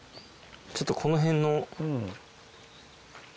ちょっとこの辺の。